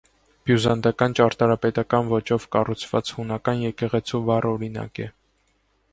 Բյուզանդական ճարտարապետական ոճով կառուցված հունական եկեղեցու վառ օրինակ է։